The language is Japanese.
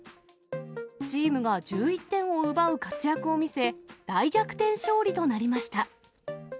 チームが１１点を奪う活躍を見せ、大逆転勝利となりました。